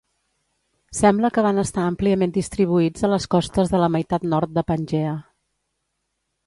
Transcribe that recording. Sembla que van estar àmpliament distribuïts a les costes de la meitat nord de Pangea.